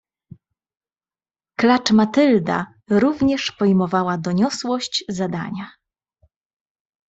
"Klacz Matylda również pojmowała doniosłość zadania."